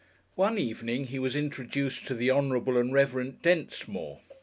One evening he was introduced to the Hon. and Rev. Densemore.